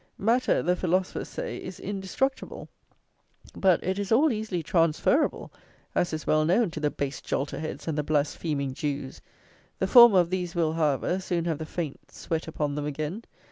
Matter, the philosophers say, is indestructible. But, it is all easily transferable, as is well known to the base Jolterheads and the blaspheming Jews. The former of these will, however, soon have the faint sweat upon them again.